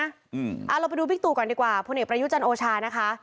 อืมอ่าเราไปดูพิกตุก่อนดีกว่าพระเนกประยุจรรย์โอชานะคะ